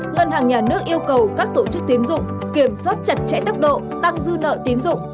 ngân hàng nhà nước yêu cầu các tổ chức tiến dụng kiểm soát chặt chẽ tốc độ tăng dư nợ tín dụng